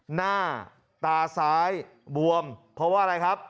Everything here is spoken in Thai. หน้าตาซ้ายบวมเพราะว่าอะไรครับ